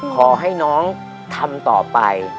ขอให้น้องทำต่อไป